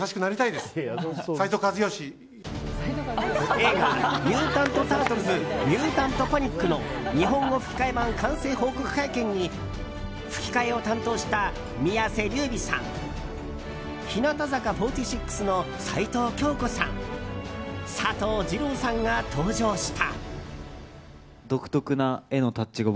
映画「ミュータント・タートルズミュータント・パニック！」の日本語吹き替え版完成報告会見に吹き替えを担当した宮世琉弥さん日向坂４６の齊藤京子さん佐藤二朗さんが登場した。